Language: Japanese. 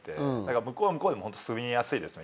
向こうは向こうでホント住みやすいですね